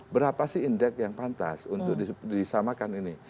berapa sih indeks yang pantas untuk disamakan ini